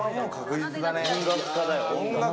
音楽家だよ。